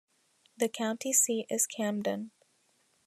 The county seat is Camden.